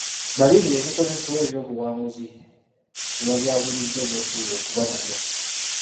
Balirira ebikozesebwa ebyobuwangaazi n’ebyabulijjo by’osuubira okuba nabyo.